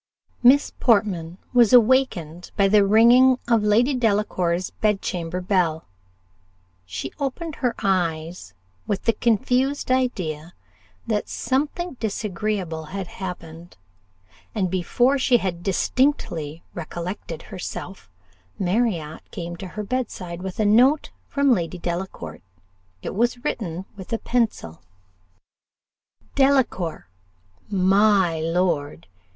Miss Portman was awakened by the ringing of Lady Delacour's bedchamber bell. She opened her eyes with the confused idea that something disagreeable had happened; and before she had distinctly recollected herself, Marriott came to her bedside, with a note from Lady Delacour: it was written with a pencil. "DELACOUR my lord!!!!